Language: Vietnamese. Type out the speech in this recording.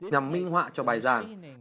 nhằm minh họa cho bài giảng